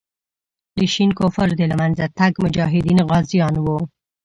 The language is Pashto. د شین کفر د له منځه تګ مجاهدین غازیان وو.